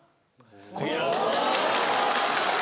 こちら。